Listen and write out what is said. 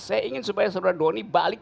saya ingin supaya saudara doni balik